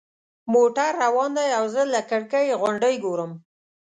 موټر روان دی او زه له کړکۍ غونډۍ ګورم.